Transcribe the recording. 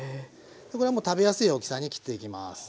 これはもう食べやすい大きさに切っていきます。